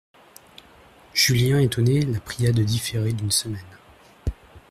Julien étonné la pria de différer d'une semaine.